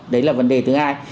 đấy là vấn đề thứ hai